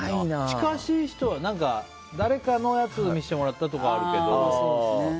近しい人は、だれかのやつ見せてもらったとかはあるけど。